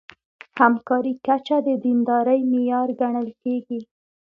همکارۍ کچه د دیندارۍ معیار ګڼل کېږي.